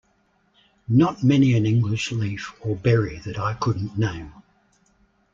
Not many an English leaf or berry that I couldn't name.